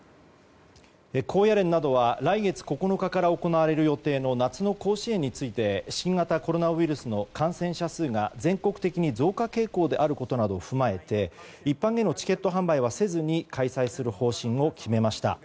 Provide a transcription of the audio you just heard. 高野連などは来月９日から行われる予定の夏の甲子園について新型コロナウイルスの感染者数が全国的に増加傾向であることなどを踏まえて一般へのチケット販売はせずに開催する方針を決めました。